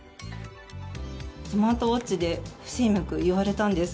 スマートウオッチで不整脈言われたんです。